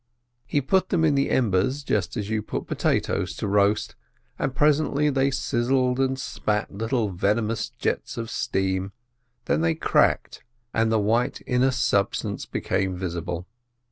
He put them in the embers, just as you put potatoes to roast, and presently they sizzled and spat little venomous jets of steam, then they cracked, and the white inner substance became visible.